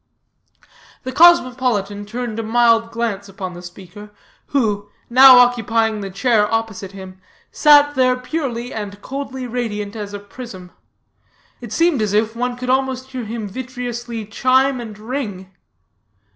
The cosmopolitan turned a mild glance upon the speaker, who, now occupying the chair opposite him, sat there purely and coldly radiant as a prism. It seemed as if one could almost hear him vitreously chime and ring.